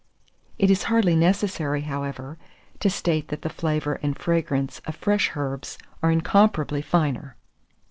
It is hardly necessary, however, to state that the flavour and fragrance of fresh herbs are incomparably finer.)